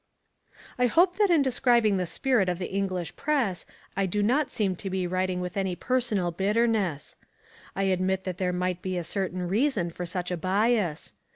I hope that in describing the spirit of the English Press I do not seem to be writing with any personal bitterness. I admit that there might be a certain reason for such a bias.